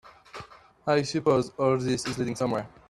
I suppose all this is leading somewhere?